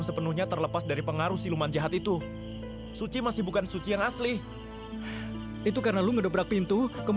selama ini saya selalu setia sama ibu